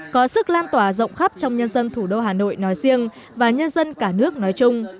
có sức lan tỏa rộng khắp trong nhân dân thủ đô hà nội nói riêng và nhân dân cả nước nói chung